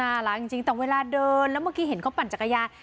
หลังจริงแต่เวลาเดินแล้วเมื่อกี้เห็นเขาปั่นจักรยาน